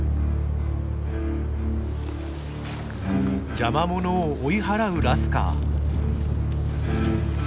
邪魔者を追い払うラスカー。